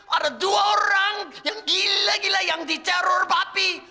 ada dua orang yang gila gila yang dicerur papi